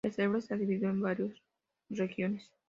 El cerebro está dividido en varias regiones.